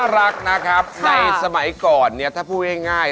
รักนะครับในสมัยก่อนเนี่ยถ้าพูดง่าย